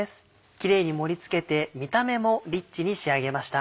キレイに盛り付けて見た目もリッチに仕上げました。